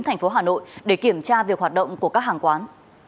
thành phố hà nội để kiểm tra việc hoạt động của các hàng quán